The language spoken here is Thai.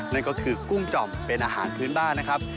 นั่นก็คือกุ้งจ่อมเป็นอาหารพื้นบ้านนะครับ